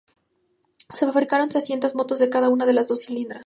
Se fabricaron trescientas motos de cada una de las dos cilindradas.